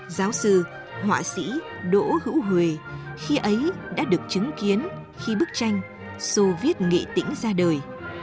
giáo sư họa sĩ đỗ hữu huệ khi ấy đã được chứng kiến khi bức tranh sô viết nghệ tĩnh ra đời